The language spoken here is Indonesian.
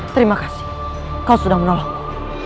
terima kasih kau sudah menolongku